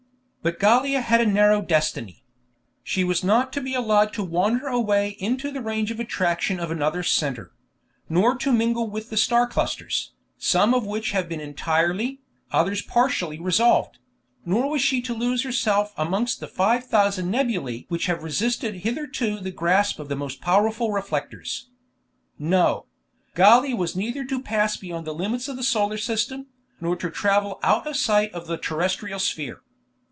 But Gallia had a narrow destiny. She was not to be allowed to wander away into the range of attraction of another center; nor to mingle with the star clusters, some of which have been entirely, others partially resolved; nor was she to lose herself amongst the 5,000 nebulae which have resisted hitherto the grasp of the most powerful reflectors. No; Gallia was neither to pass beyond the limits of the solar system, nor to travel out of sight of the terrestrial sphere.